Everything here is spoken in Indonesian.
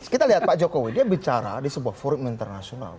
kita lihat pak jokowi dia bicara di sebuah forum internasional